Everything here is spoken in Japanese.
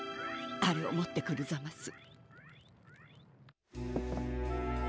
あれをもってくるざます。